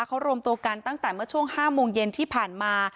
เขารวมตัวกันตั้งแต่เมื่อช่วง๕โมงเย็นที่ผ่านมา